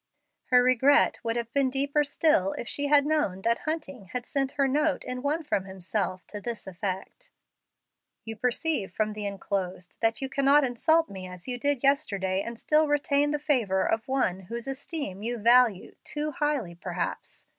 Her regret would have been still deeper, if she had known that Hunting had sent her note with one from himself to this effect: "You perceive from the inclosed that you cannot insult me as you did yesterday and still retain the favor of one whose esteem you value too highly perhaps.